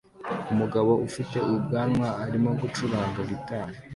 Umugabo ufite ubwanwa arimo gucuranga gitari